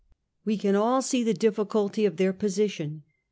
We can all see the difficulty of their position.